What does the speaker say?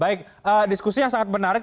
baik diskusi yang sangat menarik